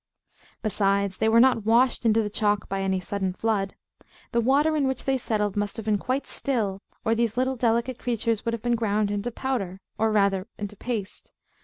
Besides, they were not washed into the chalk by any sudden flood. The water in which they settled must have been quite still, or these little delicate creatures would have been ground into powder or rather into paste.